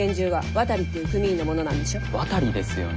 渡ですよね？